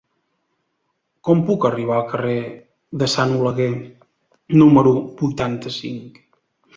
Com puc arribar al carrer de Sant Oleguer número vuitanta-cinc?